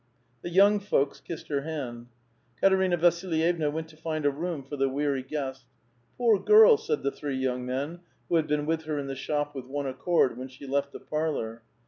The young folks kissed her hand. Katerina Vasilyevna went to find a room for the weary. guest. " Poor girl !" said the three young men, who had been with her in the shop, with one accord, when she left the parlor.